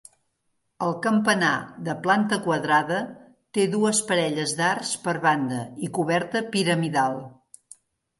El campanar, de planta quadrada, té dues parelles d'arcs per banda i coberta piramidal.